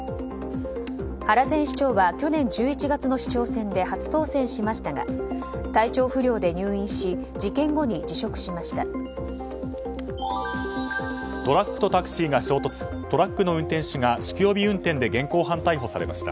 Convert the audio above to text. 原前市長は去年１１月の市長選で初当選しましたが体調不良で入院し事件後に辞職しました。